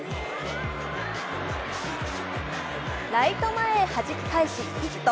ライト前へはじき返しヒット。